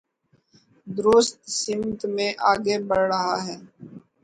درست سمت میں آگے بڑھ رہا ہے۔